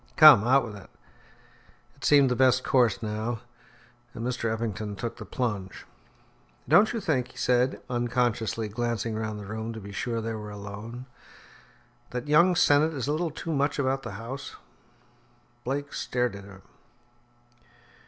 "Come, out with it." It seemed the best course now, and Mr. Eppington took the plunge. "Don't you think," he said, unconsciously glancing round the room to be sure they were alone, "that young Sennett is a little too much about the house?" Blake stared at him.